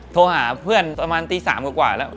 โทรหาเพื่อนประมาณตี๓กว่าแล้ว